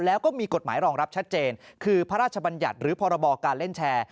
แล้วก็มีกฎหมายรองรับชัดเจนคือพระราชบัญญัติหรือพรบการเล่นแชร์